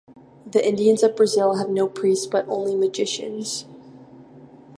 The Indians of Brazil have no priests but only magicians.